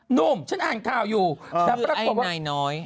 หนุ่มฉันอ่านข่าวอยู่แต่ปรากฏว่าคือไอ้นายน้อย